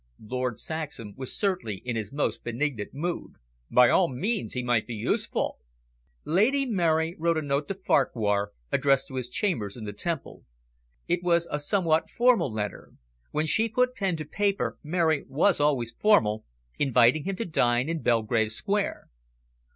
Lord Saxham was certainly in his most benignant mood. "By all means. He might be useful." Lady Mary wrote a note to Farquhar, addressed to his chambers in the Temple. It was a somewhat formal letter when she put pen to paper, Mary was always formal inviting him to dine in Belgrave Square.